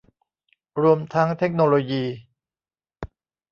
รวมทั้งเทคโนโลยี